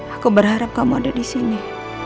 aku berharap kamu ada disini